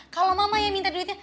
kalau mama yang minta duitnya